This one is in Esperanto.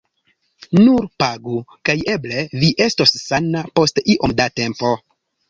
Nur pagu, kaj eble vi estos sana post iom da tempo.